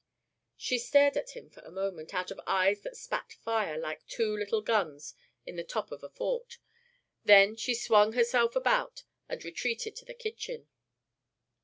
She stared at him for a moment out of eyes that spat fire like two little guns in the top of a fort; then she swung herself about and retreated to the kitchen.